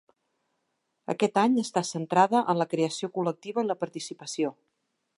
Aquest any està centrada en la creació col·lectiva i la participació.